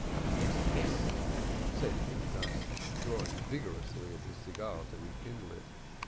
"Yes, yes," said Pinchas, drawing vigorously at his cigar to rekindle it.